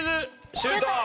シュート！